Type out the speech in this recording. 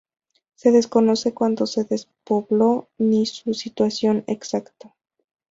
Se desconoce cuándo se despobló ni su situación exacta.